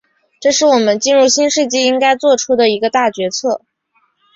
这是我们进入新世纪应该作出的一个大决策。